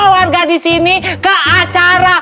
warga di sini ke acara